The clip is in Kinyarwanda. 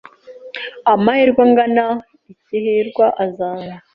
Amahirwe angana iki hirwa azaza?